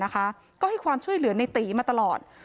ก็ให้ความช่วยเหลือในตีมาตลอด